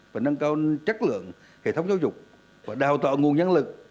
và nâng cao chất lượng hệ thống giáo dục và đào tạo nguồn nhân lực